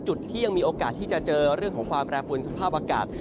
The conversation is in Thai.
จุดที่ยังมีโอกาสที่จะเจอเรื่องของความแปรปวนสภาพอากาศ